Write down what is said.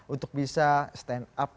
untuk bisa stand up